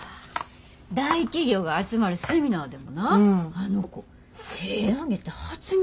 大企業が集まるセミナーでもなあの子手ぇ挙げて発言しやってん。